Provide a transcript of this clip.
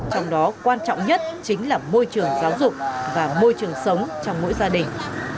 trong đó quan trọng nhất chính là môi trường giáo dục và môi trường sống trong mỗi gia đình